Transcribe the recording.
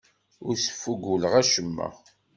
Ur sfuguleɣ acemma.